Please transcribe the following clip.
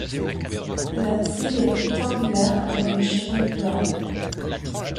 L'abside est rectanglulaire avec un chevet plat.